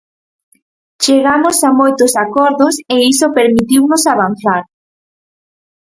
Chegamos a moitos acordos e iso permitiunos avanzar.